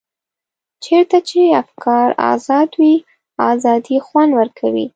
چېرته چې افکار ازاد وي ازادي خوند ورکوي.